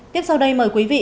tiếp sau đây mời quý vị